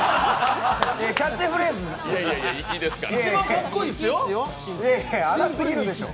キャッチフレーズ粗すぎるでしょ。